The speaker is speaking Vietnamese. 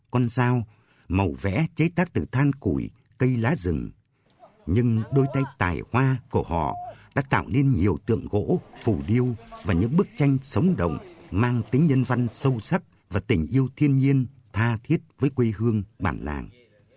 con dao màu vẽ chế tác từ than củi cây lá rừng nhưng đôi tay tài hoa của họ đã tạo nên nhiều tượng gỗ phù điêu và những bức tranh sống đồng mang tính nhân văn sâu sắc và tình yêu thiên nhiên tha thiết với quê hương bản làng